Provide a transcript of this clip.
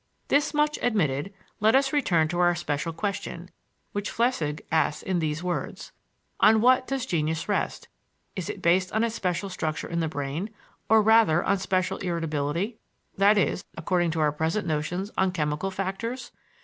This much admitted, let us return to our special question, which Flechsig asks in these words: "On what does genius rest? Is it based on a special structure in the brain, or rather on special irritability? that is, according to our present notions, on chemical factors?